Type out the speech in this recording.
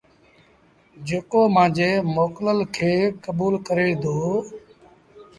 جيڪو مآݩجي موڪلل کي ڪبوٚل ڪري دو